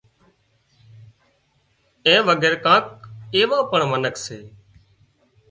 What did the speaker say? اين وڳير ڪانڪ ايوان پڻ منک سي